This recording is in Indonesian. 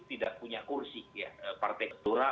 tidak punya kursi ya partai ketura